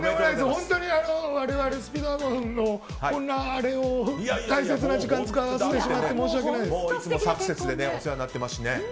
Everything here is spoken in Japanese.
本当に我々スピードワゴンのこんなあれを大切な時間を使わせてしまっていつもサクセスでお世話になってますしね。